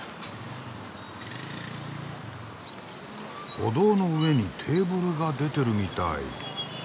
歩道の上にテーブルが出てるみたい。